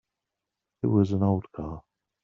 It was an old car.